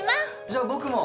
じゃあ僕も。